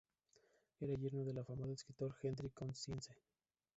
Era yerno del afamado escritor Hendrik Conscience.